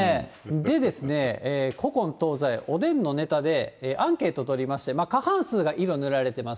でですね、古今東西、おでんのネタでアンケート取りまして、、過半数が色塗られてます。